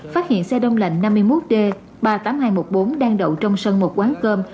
phát hiện xe đông lạnh năm mươi một d ba mươi tám nghìn hai trăm một mươi bốn đang đậu trong sân một quán cơm